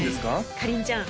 かりんちゃん